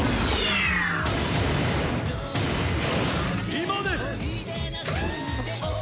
今です！